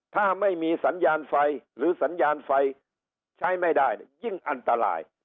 ถ้าไม่มีสัญญาณไฟหรือสัญญาณไฟใช้ไม่ได้ยิ่งอันตราย